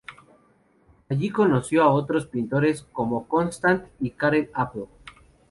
Allí conoció a otros pintores como Constant y Karel Appel.